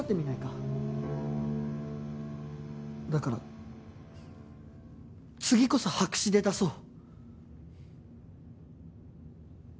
だから次こそ白紙で出そう。